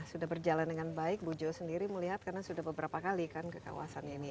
sudah berjalan dengan baik bu jo sendiri melihat karena sudah beberapa kali kan ke kawasan ini